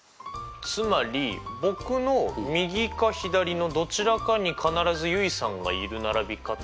つまり僕の右か左のどちらかに必ず結衣さんがいる並び方っていうことですか？